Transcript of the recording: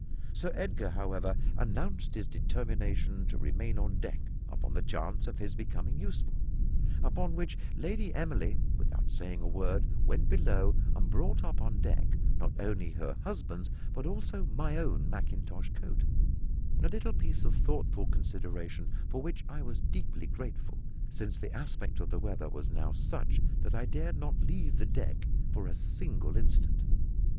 Sir Edgar, however, announced his determination to remain on deck, upon the chance of his becoming useful; upon which, Lady Emily, without saying a word, went below and brought up on deck not only her husband's, but also my own mackintosh coat a little piece of thoughtful consideration for which I was deeply grateful, since the aspect of the weather was now such that I dared not leave the deck for a single instant.